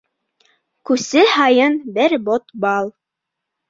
Күсе һайын бер бот бал.